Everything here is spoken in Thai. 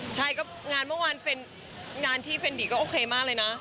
ใช่ก็งานเมื่อวานเฟรนดี้ก็โอเคมากเลยนะ